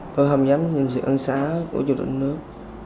tôi không dám nhân sự ân xá của chủ tịch nước